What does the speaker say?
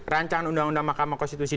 rencangan undang undang makamah konstitusi